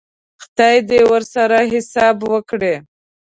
خدای دې ورسره حساب وکړي.